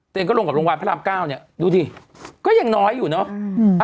ก็ลงกับโรงพยาบาลพระรามเก้าเนี่ยดูดิก็ยังน้อยอยู่เนอะ